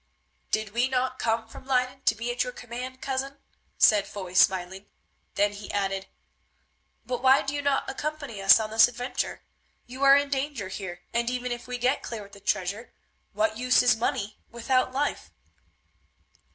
"Did we not come from Leyden to be at your command, cousin?" said Foy smiling. Then he added, "But why do you not accompany us on this adventure? You are in danger here, and even if we get clear with the treasure, what use is money without life?"